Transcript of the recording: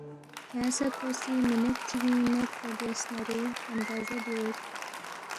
کھیانگ سہ کھو سی منٹ چگِنگ میدپا بیاس نارے، اندازہ بیوس